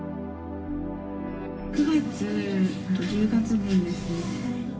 ９月と１０月分ですね。